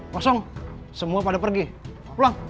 kosong semua pada pergi pulang